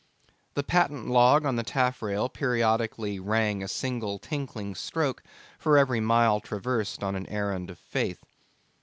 The patent log on the taffrail periodically rang a single tinkling stroke for every mile traversed on an errand of faith.